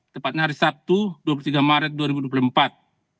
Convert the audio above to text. tepatnya hari sabtu dua puluh tiga maret dua ribu dua puluh empat